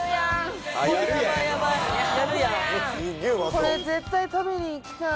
これ絶対食べに行きたい。